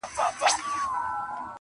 o دا هم ستا له ترجمان نظره غواړم,